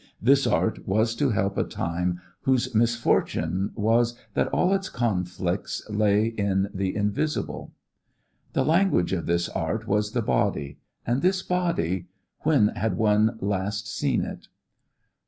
This art was to help a time whose misfortune was that all its conflicts lay in the invisible. The language of this art was the body. And this body when had one last seen it?